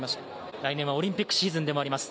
来年はオリンピックシーズンでもあります。